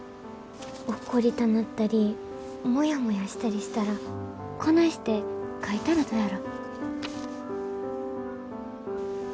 怒りたなったりモヤモヤしたりしたらこないして書いたらどやろ？